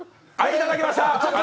いただきました。